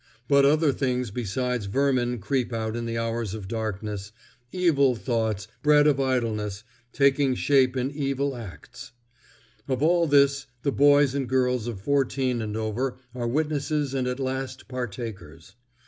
But other things besides vermin creep out in the hours of darkness—evil thoughts, bred of idleness, taking shape in evil acts. Of all this the boys and girls of fourteen and over are witnesses and at last partakers.